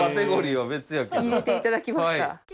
入れていただきました。